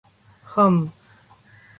हम